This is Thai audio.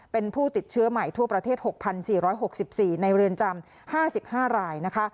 เป็นผู้ติดเชื้อใหม่ทั่วประเทศ๖๔๖๔ในเรือนจำ๕๕รายนะคะ